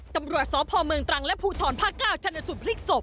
ตำรวจสอบภอมเมืองตรังและภูทรภาคเกล้าชนสุดพลิกศพ